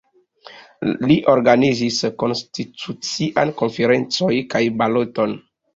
Li organizis konstitucian konferencoj kaj baloton.